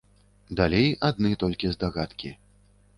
Далей адны толькі здагадкі.